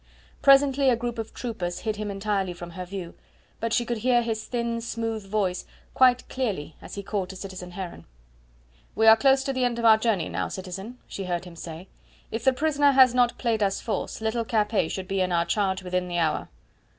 Presently a group of troopers hid him entirely from her view, but she could hear his thin, smooth voice quite clearly as he called to citizen Heron. "We are close to the end of our journey now, citizen," she heard him say. "If the prisoner has not played us false little Capet should be in our charge within the hour."